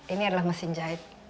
ini adalah mesin jahit